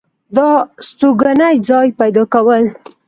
دا ستوګنې ځاے پېدا كول